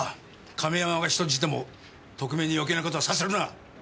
亀山が人質でも特命に余計な事はさせるな！